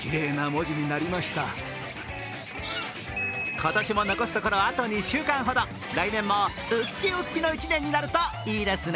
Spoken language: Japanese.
今年も残すところあと２週間ほど来年もウッキウッキの１年になるといいですね。